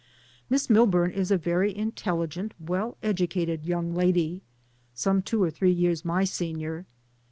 Miss Milburn is a very intelligent, well educated young lady, some two or three years my senior.